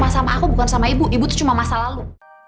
sama aku bukan sama ibu ibu itu cuma masa lalu